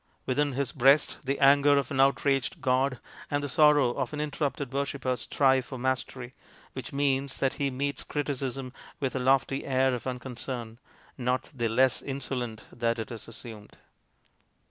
Within his breast the anger of an outraged god and the sorrow of an interrupted worshipper strive for mastery, which means that he meets criti cism with a lofty air of unconcern, not the less insolent that it is assumed.